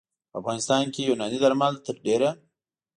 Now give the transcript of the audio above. په افغانستان کې یوناني درمل تر ډېره